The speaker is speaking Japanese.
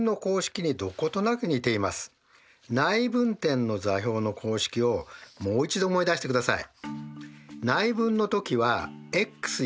内分点の座標の公式をもう一度思い出してください。